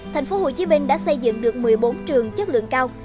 thành phố hồ chí minh đã xây dựng được một mươi bốn trường chất lượng cao